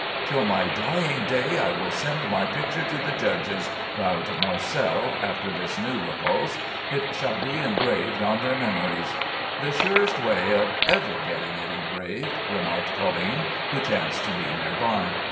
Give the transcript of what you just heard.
"Till my dying day I will send my picture to the judges," vowed Marcel, after this new repulse; "it shall be engraved on their memories."—"The surest way of ever getting it engraved," remarked Colline, who chanced to be near by.